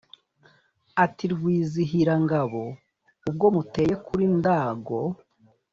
ati: rwizihirangabo ubwo muteye kuli ndago,